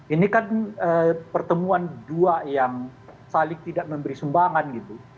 ini kan pertemuan dua yang saling tidak memberi sumbangan gitu